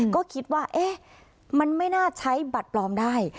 ก็คิดว่ามันไม่น่าใช้บัตรปลอมได้